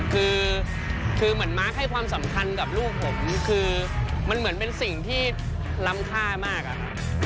คือคือเหมือนมาร์คให้ความสำคัญกับลูกผมคือมันเหมือนเป็นสิ่งที่ล้ำค่ามากอะครับ